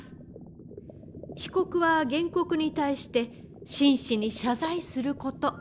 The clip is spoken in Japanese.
被告は原告に対して真摯に謝罪すること。